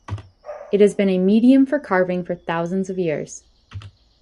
It has been a medium for carving for thousands of years.